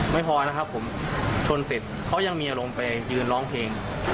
ไม่พอนะครับผมชนเสร็จเขายังมีอารมณ์ไปยืนร้องเพลง